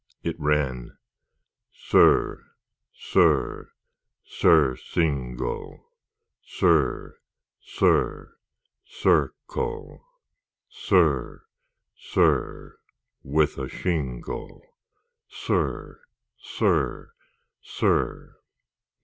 It ran: Sir, sir, surcingle! Sir, sir, circle! Sir, sir, with a shingle— Sir, sir, sir!